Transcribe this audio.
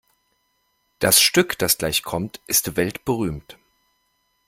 Das Stück, das gleich kommt, ist weltberühmt.